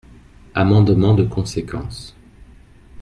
Amendement de conséquence.